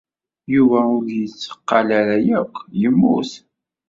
Yuba ur d-yetteqqal ara akk. Yemmut.